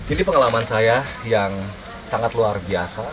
ini pengalaman saya yang sangat luar biasa